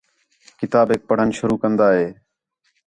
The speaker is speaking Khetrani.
کتابیک پڑھݨ شروع کندا ہِے